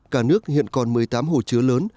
cả nước hiện còn một mươi tám hồ chứa lớn